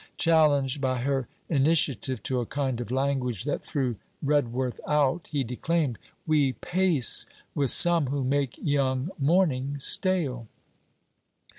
Challenged by her initiative to a kind of language that threw Redworth out, he declaimed: 'We pace with some who make young morning stale.'